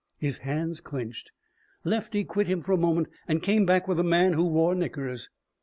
His hands clenched. Lefty quit him for a moment and came back with a man who wore knickers.